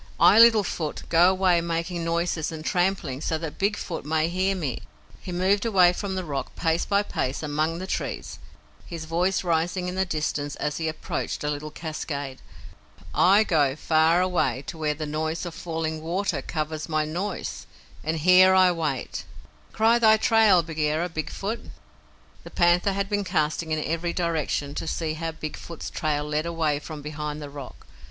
I, Little Foot, go away making noises and tramplings so that Big Foot may hear me." He moved away from the rock pace by pace among the trees, his voice rising in the distance as he approached a little cascade. "I go, far away to where the noise of falling water covers my noise; and here I wait. Cry thy trail, Bagheera, Big Foot!" The panther had been casting in every direction to see how Big Foot's trail led away from behind the rock.